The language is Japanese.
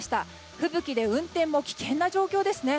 吹雪で運転も危険な状況ですね。